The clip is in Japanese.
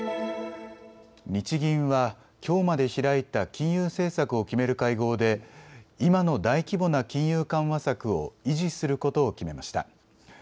日銀はきょうまで開いた金融政策を決める会合で今の大規模な金融緩和策を維持することを決めました。